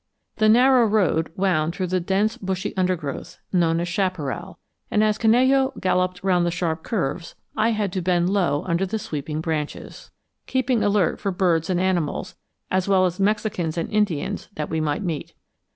The narrow road wound through the dense bushy undergrowth known as 'chaparral,' and as Canello galloped round the sharp curves I had to bend low under the sweeping branches, keeping alert for birds and animals, as well as Mexicans and Indians that we might meet.